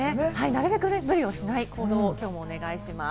なるべく無理をしない行動をお願いします。